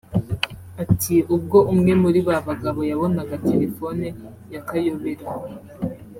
Ati “Ubwo umwe muri ba bagabo yabonaga telefone ya Kayobera